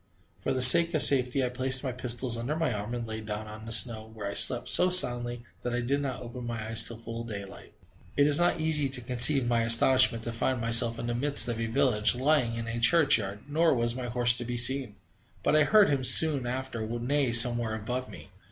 For the sake of safety, I placed my pistols under my arm and lay down on the snow, where I slept so soundly that I did not open my eyes till full daylight. It is not easy to conceive my astonishment to find myself in the midst of a village, lying in a church yard, nor was my horse to be seen, but I heard him soon after neigh somewhere above me.